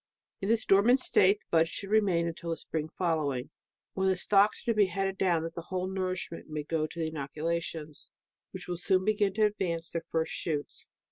"In this dormant state the buds should re main until the spring following, when the stocks are to be headed down that the whole nourishment may go to the inoculations, which will soon begin to advance their first shoots.